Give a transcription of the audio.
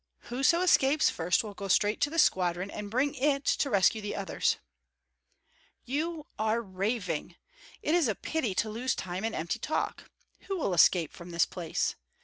Whoso escapes first will go straight to the squadron, and bring it to rescue the others." "You are raving! It is a pity to lose time in empty talk! Who will escape from this place?